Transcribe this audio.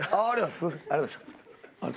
ありがとうございます。